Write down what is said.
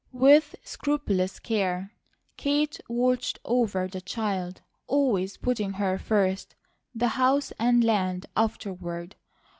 With scrupulous care Kate watched over the child, always putting her first, the house and land afterward.